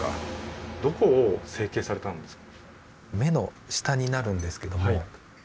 どこを整形されたんですか？